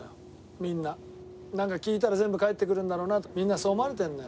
なんか聞いたら全部返ってくるんだろうなとみんなにそう思われてるのよ。